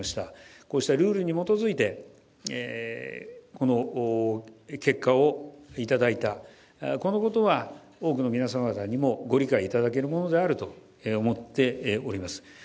こうしたルールに基づいてこの結果をいただいたこのことは多くの皆様方にもご理解いただけるものであると思っております。